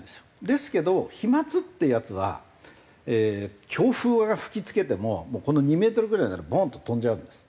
ですけど飛沫っていうやつは強風が吹き付けてもこの２メートルぐらいならボンと飛んじゃうんです。